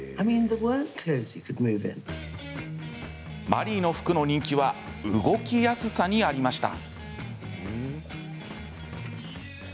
マリーの服の人気は動きやすさにありました。